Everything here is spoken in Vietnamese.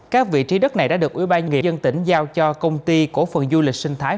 các vị trí đất này đã được ủy ban nhân dân tỉnh giao cho công ty cổ phần du lịch sinh thái